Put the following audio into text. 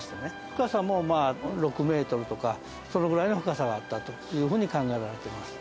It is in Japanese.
深さも６ｍとか、そのぐらいの深さがあったという風に考えられています。